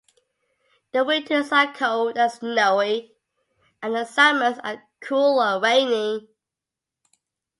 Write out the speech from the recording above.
The winters are cold and snowy, and the summers are cool and rainy.